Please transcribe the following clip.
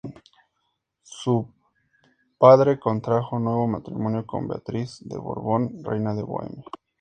Su padre contrajo nuevo matrimonio con Beatriz de Borbón, reina de Bohemia.